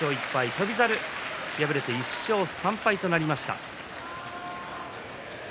翔猿は敗れて１勝３敗となりました。